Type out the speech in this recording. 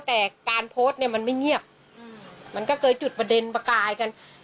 แต่การโพสต์เนี่ยมันไม่เงียบมันก็เกิดจุดประเด็นประกายกัน